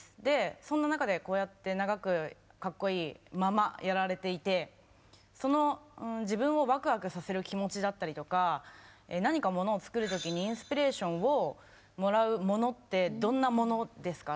そんな中でこうやって長くかっこいいままやられていてその自分をわくわくさせる気持ちだったりとか何かものを作る時にインスピレーションをもらうものってどんなものですか？